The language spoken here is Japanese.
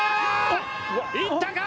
いったか？